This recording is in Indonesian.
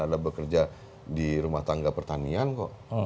ada bekerja di rumah tangga pertanian kok